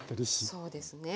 そうですね。